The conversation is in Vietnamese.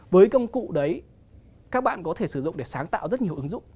với công cụ đấy các bạn có thể sử dụng để sáng tạo rất nhiều ứng dụng